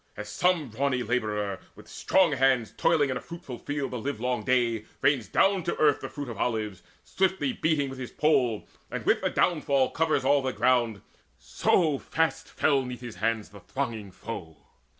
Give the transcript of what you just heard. As some brawny labourer, With strong hands toiling in a fruitful field The livelong day, rains down to earth the fruit Of olives, swiftly beating with his pole, And with the downfall covers all the ground, So fast fell 'neath his hands the thronging foe.